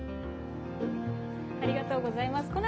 ありがとうございます。